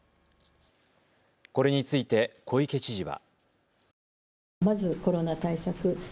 これについて小池知事は。